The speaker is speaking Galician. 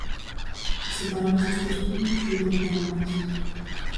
¿Separamos os tres puntos ou dous nada máis?